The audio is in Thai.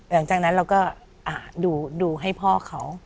หลังจากนั้นเราก็ดูให้พ่อเขา